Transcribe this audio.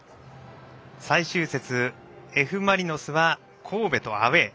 最終節、Ｆ・マリノスは神戸とアウェー。